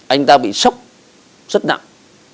anh ta bị sốc rất nặng